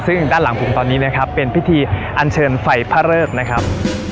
ซึ่งด้านหลังผมตอนนี้นะครับเป็นพิธีอันเชิญไฟพระเริกนะครับ